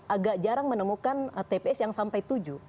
agak jarang menemukan tps yang sampai tujuh